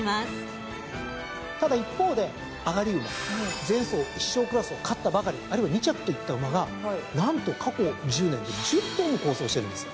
ただ一方で上がり馬前走１勝クラスを勝ったばかりあるいは２着といった馬が何と過去１０年で１０頭も好走しているんですよ。